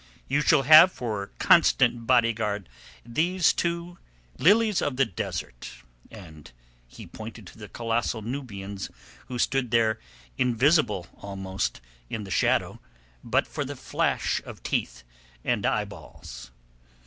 You shall have for constant bodyguard these two lilies of the desert," and he pointed to the colossal Nubians who stood there invisible almost in the shadow but for the flash of teeth and eyeballs.